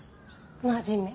真面目。